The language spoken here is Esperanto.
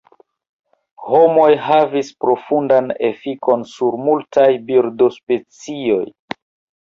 Homoj havis profundan efikon sur multaj birdospecioj.